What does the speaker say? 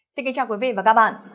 xin kính chào quý vị và các bạn